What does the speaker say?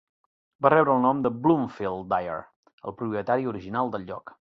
Va rebre el nom per Bloomfield Dyer, el propietari original del lloc.